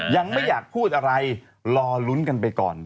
ยังไม่อยากพูดอะไรรอลุ้นกันไปก่อน